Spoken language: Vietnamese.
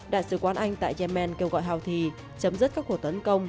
đại sứ quán anh tại yemen kêu gọi houthi chấm dứt các cuộc tấn công